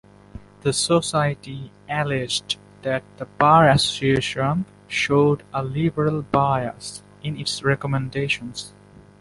The society alleged that the bar association showed a liberal bias in its recommendations.